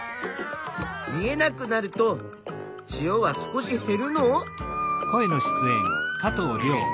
見えなくなると塩は少しへるの？